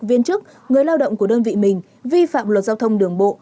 viên chức người lao động của đơn vị mình vi phạm luật giao thông đường bộ